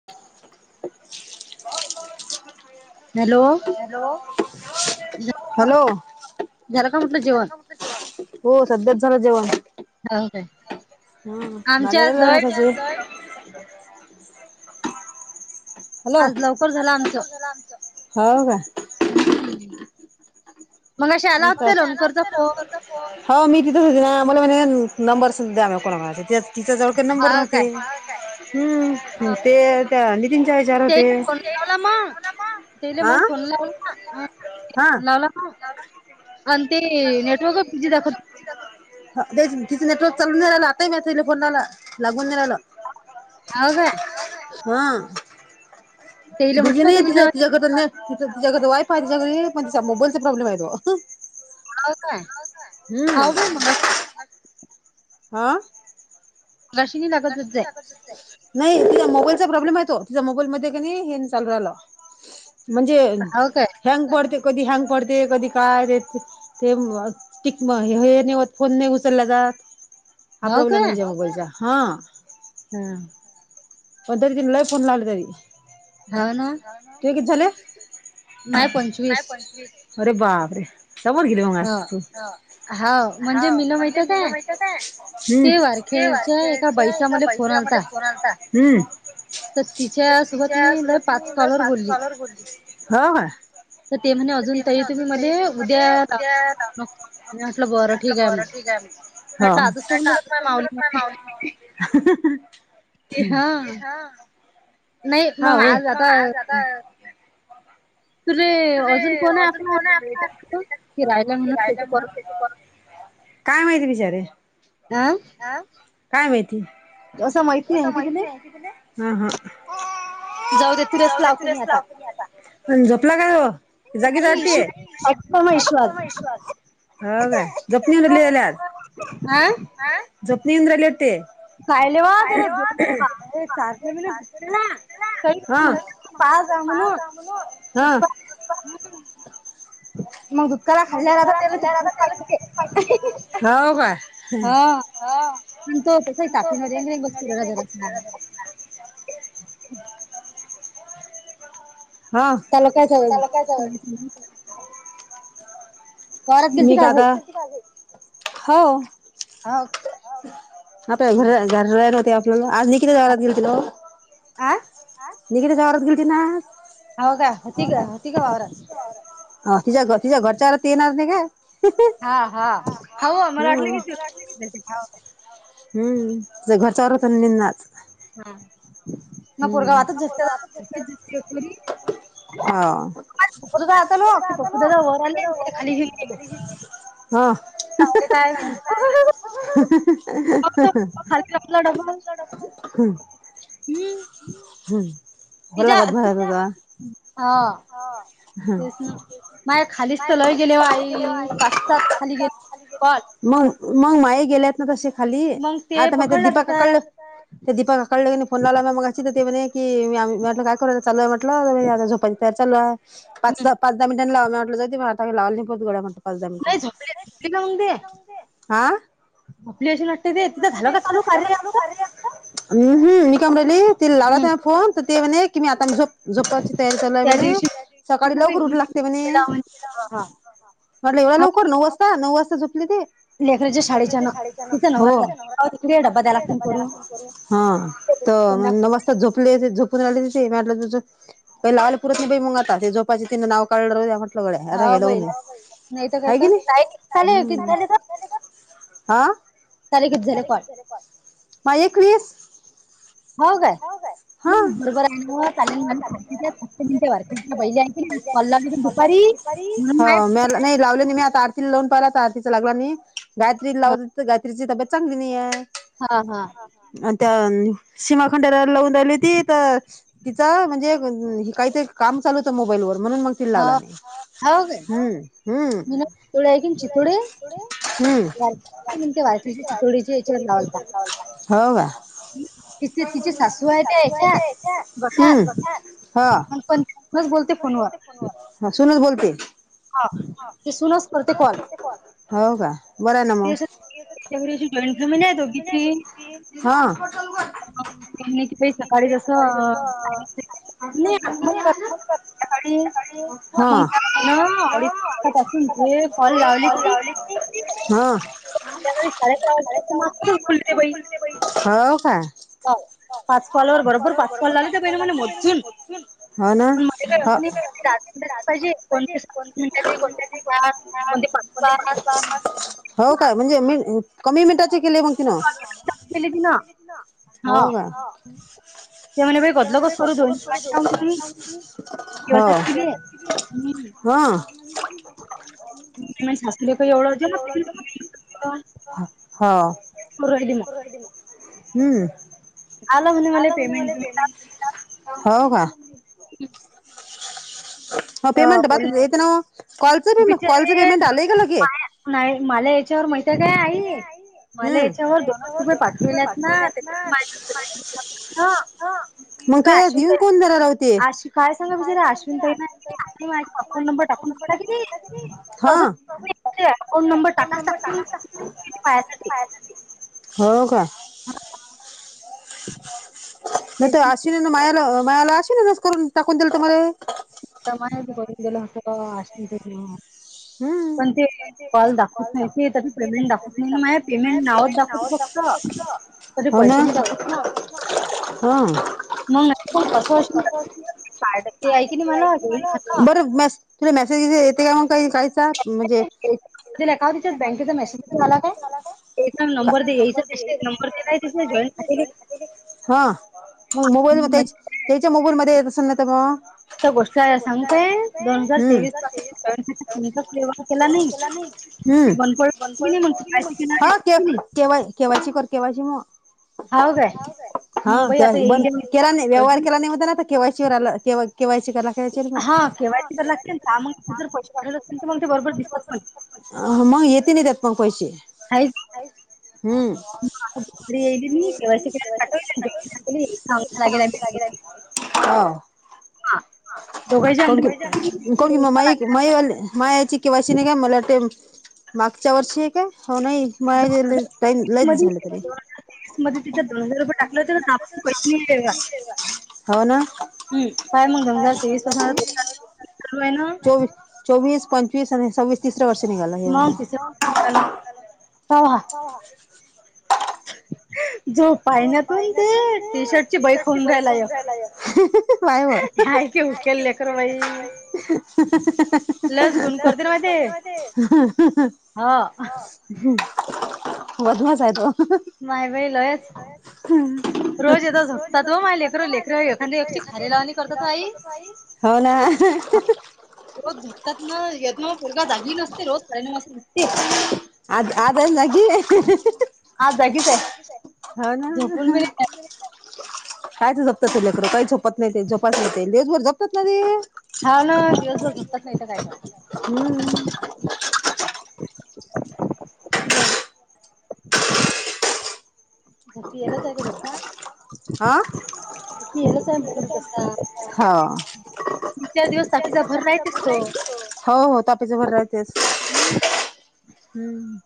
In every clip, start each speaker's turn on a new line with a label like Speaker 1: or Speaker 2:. Speaker 1: [inaudible] Hello, hello हो सध्याच झालं जेवण
Speaker 2: हाव काय
Speaker 1: हम झाला का जेवण आजून हॅलो, हाव का
Speaker 2: हम्म मगाशी आतल न करचा फोन
Speaker 1: हो मी तिथंच होते ना मला म्हणे नंबरस द्या मला कोणा कोणाचे ते तिचा जवळ का नंबर नव्हते ते त्या नितीन
Speaker 2: ते फोन लावला मग ते मग फोन लावला का
Speaker 1: हा
Speaker 2: आणि ते नेटवर्क बिझी दाखवत
Speaker 1: ते तिच नेटवर्क चालून नाही राला आताय मसेज फोनाला लागून नाही राहिला
Speaker 2: हाव काय
Speaker 1: हा बिझी नाही येत जात जगतने ति त त्याच्याडे वाईफ आहे त्याच्याडे म्हण मोबाईलचा प्रॉब्लेम आहे तो
Speaker 2: हाव काय
Speaker 1: हम्म आ
Speaker 2: रशीनी लागतच जाईन
Speaker 1: नाही तिझ मोबाईलचा प्रॉब्लेम आहे तो तुझ मोबाईल म क हे चालू राहिला म्हणजे हँग पडते कधी हँग पडते कधी काय ते ते हे नाहीत फोन नाही उचलला जात हा प्रॉब्लेम आहे जे मोबालचा हा
Speaker 2: ह
Speaker 1: पणरी दिनला फोन लागलाय तुजे कती झाले आरे बापरे समोर गेली मगास तू. हा म्हणजे मलं माहित काय, हम्म. तेव्हा तेच्या एका परिसरामध्ये फोन आलता, हम्म तर तिच्यासोबत मी पाच कॉलर बोलली. हो हा. तर तेपण अजून ताई तुम्ही म्हणे उद्या [unintelligible] म्हटलं बर ठीक आहे म. हो [unintelligible] ते हा.
Speaker 2: नाही मग आज आता
Speaker 1: तुरे अजून कोण आहे आपला [unintelligible] की रायला म्हणून त्याचा कॉल? काय माहिती बिचारे.
Speaker 2: आं.
Speaker 1: आं, काय माहिती, अस माहिती हाय की तुले. आहा. जाऊन दे तिलेच लावते मी आता. हम्म, झोपला काय हो? जागी जाते. [unintelligible] हो काय. [unintelligible]
Speaker 2: कायले वा तर चारशे मिनिट होतील ना. तरी म्हण पाच दहा म्हणून [unintelligible]
Speaker 1: [unintelligible] हो काय? हा [unintelligible] [inaudible] हा, त्याला काय झालं? मी का आता हो. आता घर घर राहित होते आपल्याला आज देखील दारात गेलतेलो.
Speaker 2: आं.
Speaker 1: [unintelligible] दारात गेलती ना.
Speaker 2: हो का, हुतीका हुतीका वावरात?
Speaker 1: अ तिच्या तिच्या घरच्याला ती येणार नाही काय?
Speaker 2: हा हा. हो मला वाटलं की तून [unintelligible]
Speaker 1: हम्म जे घरच्यावर होत निनाच.
Speaker 2: हा मग पोरगं आताच झोपत्यात, [unintelligible] आ पप्पू दादा आलते नवे, पप्पू दादा वर आले आणि त्याले खाली घेऊन गेले.
Speaker 1: हा. [inaudible]
Speaker 2: हम्म.
Speaker 1: हम्म. [unintelligible]
Speaker 2: तेचना ना. माझ्या खालीच तर लय गेले ओ आई, पाच सात खाली गेले कॉल.
Speaker 1: मग मग माई गेलेत ना तसे खाली, आता काहीत दीपा का कळलं ते दीपाला कळले का नई फोन लावला मगाशी, तर ते म्हणे की म्हटलं काय करू चाललाय म्हटलं. आता झोपायची तयारी चालू हाय. पाच दहा पाच दहा मिनटांनी लावणार असली, [unintelligible] पाच दहा मिनिटांनी, हा.
Speaker 2: आपली अशी ना
Speaker 1: [unintelligible] कार्या ॲपचं? अं हं मी काय म्हणून राहिली, तिला लावला होता ना फोन, तर ते म्हणे की मी आता झो झोपायची तयारी चालू हाय म्हणे, सकाळी लवकर उठू लागते म्हणे. म्हटलं एवढ्या लवकर नऊ वाजता, नऊ वाजता झोपली ती.
Speaker 2: लेकराच्या शाळेच्यानं. इथल
Speaker 1: हो हा तर नमस् झोपले अशी झोपून राहिली तशी [unintelligible] ते लाल पुरात नाय बाय आता, ते झोपाचे तिनं नाव काढलं तर त्या मग [unintelligible] हाय की नाही हम्. हा म एकवीस.
Speaker 2: हो काय? बरोबर आहे ना चालेल माझार मि वारखेटच्या बहि कॉल दुपारी. [unintelligible] म माय
Speaker 1: झालं नाही लावले नाही मी आता ति लावून पाहिला तर ह तिचा लागला नाही गा यत्री लावत गायत्रीची तब्येत चांगली नाही आहे.
Speaker 2: हा हा.
Speaker 1: मग त्या सीमाखंड लावून राहिली होती तर तिचा म्हणजे काहीतरी काम चालू होतं मोबाईल वर म्हणून मग तिला लावला नाही.
Speaker 2: हो काय म्होड चितोडि आहे की चितोडे वार म्ह वारषच्या तितोडीचे याच्यावर लावलता.
Speaker 1: हो का? हम्म हा. ह सुनत बोलते. हो का बर आहे ना मग? हा. निश सकाळी जस हा. हा.
Speaker 2: मा खू खुते बाई. [unintelligible]
Speaker 1: हो काय?
Speaker 2: हो.
Speaker 1: ह ना हा. पाहिजे कोणते कोणते कोणते पा. [unintelligible] हो काय म्हणजे मि कमी मिनटाचे केले मग तिन. हो का? हा. हां.
Speaker 2: शासुरी का एवढं. [unintelligible]
Speaker 1: हा.
Speaker 2: पुरोयदिमा. [unintelligible]
Speaker 1: हम्म.
Speaker 2: आला म्हणे
Speaker 1: आलं म्हणे मले पेमेंट हो का?
Speaker 2: ह
Speaker 1: [unintelligible] [inaudible] ह पेमेंट बेत ना [unintelligible] कॉलचं पमे कॉलचं पेमेंट आलंय का ल गे.
Speaker 2: त काय आई मले याच्यावर दोन रुपये पाठविल्यात ना त्याच्यावर
Speaker 1: हा.
Speaker 2: काय अश्विन ताई आश् काय सांगा बचारा अश्विन ताइला ते माझ अकाउंट नंबर टाकून दिला क ना तस [unintelligible] अकाउंट नंबर टाका तेच की पायासाठी.
Speaker 1: हो का?
Speaker 2: ह.
Speaker 1: नाही तो अशिन ना मायाला मायाला अशीनीन करून टाकून दिलत म्हणे
Speaker 2: माय बून गेला असश. [unintelligible] पण ते कॉल दाखवत नाही ते त्याची पेमेंट दाखवत नाही माझ पेमेंट नावच दाखवते फक्त. ल तरी पैसे नाही दाखवत ना. मगण कस असेल आहे की
Speaker 1: बर म तु मेसेज येते का मग काही काहीच म्हणजे
Speaker 2: दिले काऊ तिच्यात बँकेचा मेसेज आला काय?
Speaker 1: हा तो मोबाईल म त्याच्या मोबाईल मध्ये येत असेल ना तर मग तर गोष्ट सगप ते हम्म त्याला मी हम्म हा वय केवाईची कर केव्हाची म हाय काय हा त्या बंद केला नाही व्यवहार केला नाही होता ना केवाय सवरला केवाय सी कराला काय म
Speaker 2: केयतील मगर पैसे वाढ असल तर मग ते बरोबर
Speaker 1: अ मग येते नाही त्यात मग पैसे
Speaker 2: हाय
Speaker 1: हम्म ह कोण, कोण म मई मा याची किवाशी नाही काय मला वाटते मागच्या वर्षी आहे काय हो नाही म टाईम लईच झालं तरी
Speaker 2: मध्ये त्याच्या दोन हार रुपय टाकला तर नापून पैसे नाही हम्म काय मग दोन हार तेवीस पास चालू आहे ना
Speaker 1: चोवीस, पंचवीस आणि सव्वीस तिसऱ्या वर्ष निघाला हे मला
Speaker 2: हा, हा
Speaker 1: हा, हा
Speaker 2: ह जो पाहिण्यातून ते टी शर्टची बई खाऊन रायलायक य क उकललेकर बाई लस गुण करते ना म ते
Speaker 1: अ हं, हं जेन बादम्हास आहे तो ह, ह
Speaker 2: मय बाई लयच
Speaker 1: हम्म
Speaker 2: रोज येतदा झपतात व मा लेकर, लेकर एखाद एकची खारे लावणी करतात आई
Speaker 1: हो ना हं, हं, हं, हं
Speaker 2: रोज झपतात ना यज ना पोरगा जागी नसते रोज कायनां झटते
Speaker 1: आज, आज आहे जागी ह, ह, ह, ह
Speaker 2: आज जागीच आहे
Speaker 1: ह ना ह कायच जपतात ते लेकर काही झोपत नाही ते झपत नाही ते लेज भर जपतात ना ते
Speaker 2: हा ना दिवसभर झपतच नाहीत काय का
Speaker 1: हम्म
Speaker 2: या
Speaker 1: आ हा हो, हो तापीच भर राहतेच
Speaker 2: हम
Speaker 1: हम्म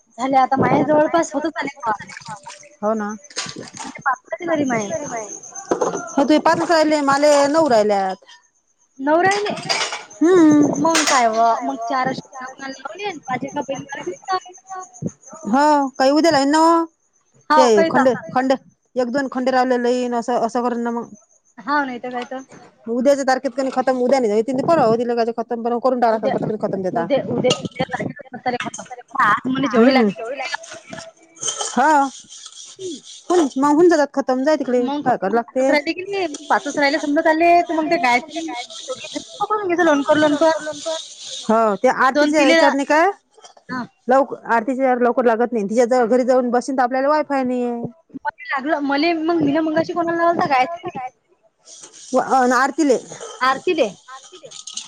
Speaker 2: झाले आता माझ्या जवळपास होतच आले का म्हणजे पाप्पाची झाली माय
Speaker 1: हो तु पाच राहिले माले नऊ राहिल्यात
Speaker 2: नऊ राहिले मग काय व मग चार अ कोणाला लावले पाझे का पहिली मला दिसत
Speaker 1: ह काही उद्याला आहे ना ते खंड खंडे एक दोन खंडे राहिलेले येईन असं असं कर ना मग.
Speaker 2: हाव नाही त काय तर
Speaker 1: उद्याच तारखत क खतम उद्या नाही त व दिलं का खतम ब करून डा खतम ज हम्म हा.
Speaker 2: हम्.
Speaker 1: हो माहून जगात खतम जाय तिकडे काय कर लागते. [unintelligible] हो ते आरतीच्या विचारणी काय? लवक आरतीच्या लवकर लागत नाही तिच्या जा घरी जाऊन बसशीन तर आपल्याला वायफाय नाही आहे.
Speaker 2: [inaudible] लागलं मले मंग मी ना मंगाशी कोणाला लावलता गायत्री
Speaker 1: अन आरतीले
Speaker 2: आरतीले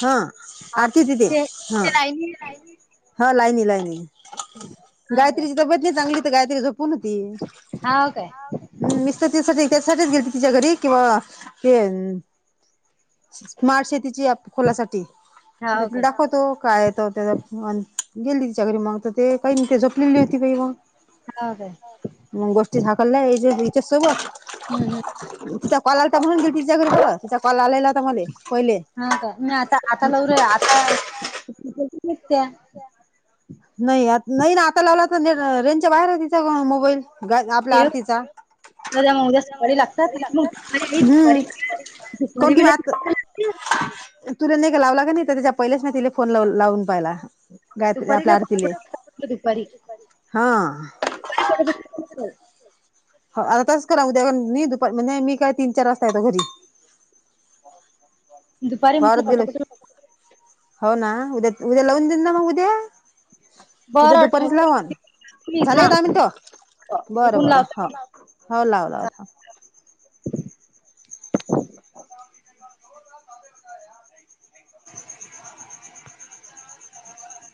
Speaker 1: हा आरती दीदी हा लाईनी लाईनी. गायत्रीची तब्येत नाही चांगली तर गायत्री झोपून होती. हम्म मिस्त तिसाठी त्यासाठीच गेलती तिच्या घरी किंवा ते. मावशी तिची अप खोलासाठी [unintelligible] तुल दाखवतो काय येतो त्या अन गेली तिच्या घरी म आता ते काही नाही ते झोपलेली होती काही म. मग गोष्टी झाकलला हिचा हिच्या सोबत.
Speaker 2: हम्म हम्म.
Speaker 1: तिचा कॉल आलता म्हणून तर तिच्या घरी गेलो तिचा कॉल आलायलता मले पहिले.
Speaker 2: हा का नाही आता आता लावऱ्या आता [unintelligible] त्या.
Speaker 1: नाही आ नाही ना आता लावला क ने रेंजच्या बाहेर आहे तिचा म मोबाईल गा आपल्या आरतीचा. हम्म कोण की वात तुला नाही का लावला का नाही तर त्याच्या पहिलेच मी तिला फोन लाव लावून पाहियला. गायत्री आपल्या आर
Speaker 2: [unintelligible]
Speaker 1: हो आतास करा उद्याण मी दुपार म्हणे मी काय तीन-चार वाजता येतो घरी. फरत गेलो हो ना उद्या उद्या लावून देईन ना मग उद्या. उद्या दुपारीच लावान झाले का दहा मिनटं बरं बरं हा. हा लावला होता. [inaudible] [inaudible]